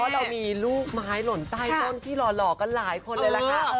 เรามีลูกไม้หล่นใต้ต้นที่หล่อกันหลายคนเลยล่ะค่ะ